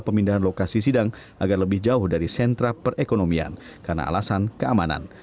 pemindahan lokasi sidang agar lebih jauh dari sentra perekonomian karena alasan keamanan